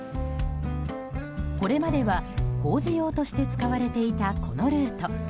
これまでは工事用として使われていた、このルート。